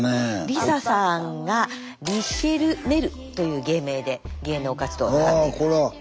里紗さんが「リシェルメル」という芸名で芸能活動されていると。